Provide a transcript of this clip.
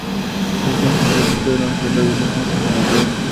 Esto imposibilitaba denunciar la violencia intrafamiliar.